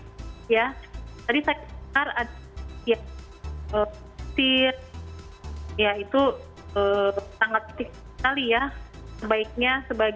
tadi saya dengar ada yang positif ya itu sangat positif sekali ya